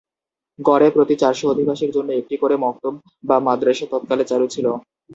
গড়ে প্রতি চারশ অধিবাসীর জন্য একটি করে মকতব বা মাদ্রাসা তৎকালে চালু ছিল।